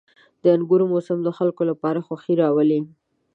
• د انګورو موسم د خلکو لپاره خوښي راولي.